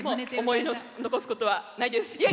思い残すことはないです。